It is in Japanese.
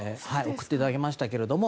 送っていただきましたけれども。